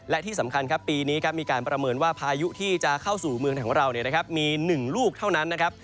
และที่สำคัญครับปีนี้มีการประเมินว่าพายุที่จะเข้าสู่เมืองของเรามี๑ลูกเท่านั้นนะครับ